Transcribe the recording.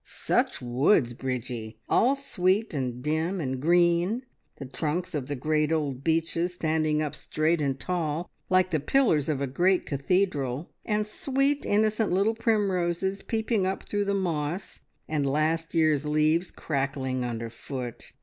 Such woods, Bridgie; all sweet, and dim, and green, the trunks of the great old beeches standing up straight and tall like the pillars of a great cathedral, and sweet, innocent little primroses peeping up through the moss, and last year's leaves crackling under foot.